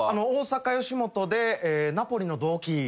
大阪吉本でナポリの同期。